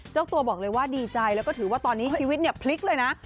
เจ้าตัวบอกเลยว่าดีใจแล้วก็ถือว่าตอนนี้ชีวิตเนี่ยพลิกเลยนะ